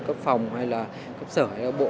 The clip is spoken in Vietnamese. cấp phòng hay là cấp sở hay là bộ